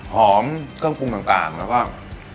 หอมกล้องปรุงต่างแล้วก็